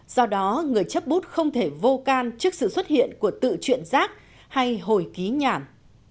do đó người chấp bút không thể vô can trước sự xuất hiện của tự chuyện rác hay hồi ký nhảm